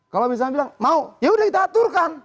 kalau misalnya bilang mau ya udah kita aturkan